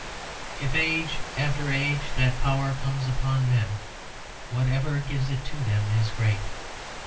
If age after age that power comes upon men, whatever gives it to them is great.